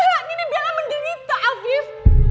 sekarang ini bella menderita afif